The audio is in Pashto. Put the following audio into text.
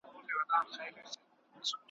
تمدن او تاریخي افتخاراتو مرکز ,